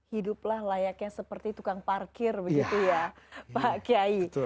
hiduplah layaknya seperti tukang parkir begitu ya pak kiai